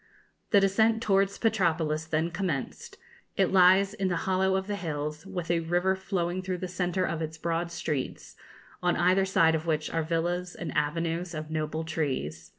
The descent towards Petropolis then commenced; it lies in the hollow of the hills, with a river flowing through the centre of its broad streets, on either side of which are villas and avenues of noble trees.